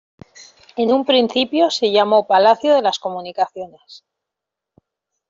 En un principio se llamó Palacio de las Comunicaciones.